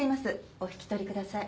お引き取りください。